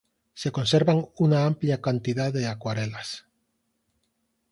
Se conservan una amplia cantidad de acuarelas.